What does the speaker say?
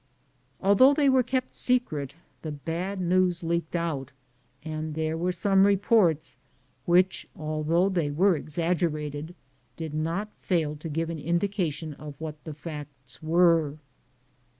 Although they were kept secret, the bad news leaked out, and there were some reports which, al though they were exaggerated, did not fail to give an indication of what the facts were."